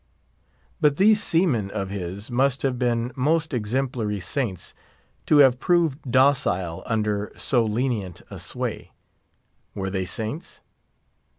But these seaman of his must have been most exemplary saints to have proved docile under so lenient a sway. Were they saints?